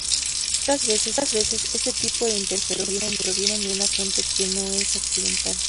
Otras veces, este tipo de interferencias provienen de una fuente que no es accidental.